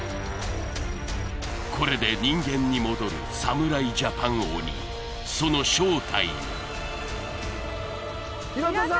これで人間に戻る侍ジャパン鬼その正体は平田さん！